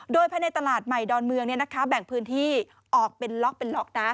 โดยภายในตลาดใหม่ดอนเมืองแบ่งพื้นที่ออกเป็นล็อกเป็นล็อก